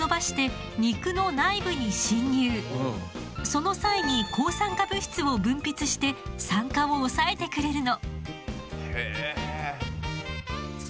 その際に抗酸化物質を分泌して酸化を抑えてくれるの。